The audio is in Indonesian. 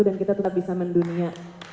dan kita tetap bisa mendunia